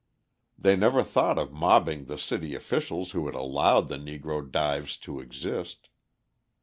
They never thought of mobbing the city officials who had allowed the Negro dives to exist.